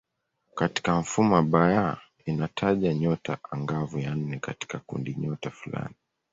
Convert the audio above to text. Katika mfumo wa Bayer inataja nyota angavu ya nne katika kundinyota fulani.